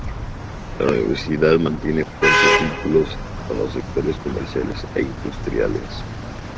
La universidad mantiene fuertes vínculos con los sectores comerciales e industriales.